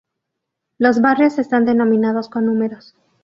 Los barrios están denominados con números.